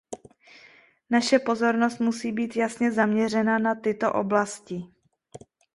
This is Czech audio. Naše pozornost musí být jasně zaměřena na tyto oblasti.